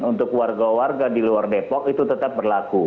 untuk warga warga di luar depok itu tetap berlaku